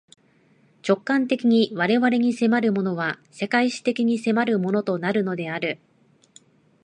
直観的に我々に迫るものは、世界史的に迫るものとなるのである。